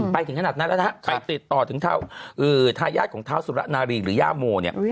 ไปถึงขนาดนั้นแล้วนะฮะไปติดต่อถึงทายาทของเท้าสุระนารีหรือย่าโมเนี่ย